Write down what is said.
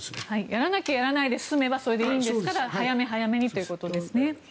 やらなきゃやらないで済めばそれでいいんですから早め早めにということですね。